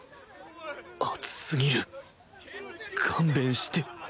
熱すぎる勘弁してほしい。